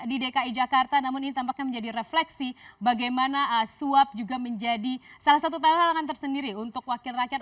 di dki jakarta namun ini tampaknya menjadi refleksi bagaimana suap juga menjadi salah satu tantangan tersendiri untuk wakil rakyat